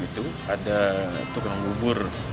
pada tahun ke satu ada tukang bubur